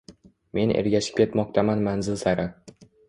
Men ergashib ketmoqdaman manzil sari